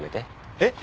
えっ？